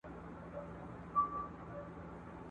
که موږ علم ترلاسه نه کړو؛ وروسته پاته کيږو.